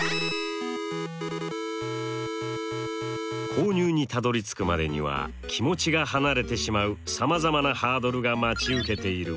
購入にたどり着くまでには気持ちが離れてしまうさまざまなハードルが待ち受けているもの。